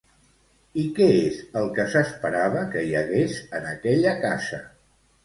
I què és el que s'esperava que hi hagués en aquella casa?